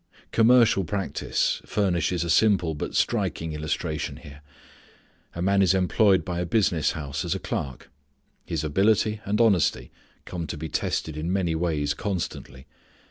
Commercial practice furnishes a simple but striking illustration here. A man is employed by a business house as a clerk. His ability and honesty come to be tested in many ways constantly.